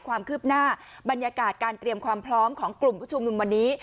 ความคืบหน้าบรรยากาศการเตรียมความพร้อมของกลุ่มผู้ชุมนุมวันนี้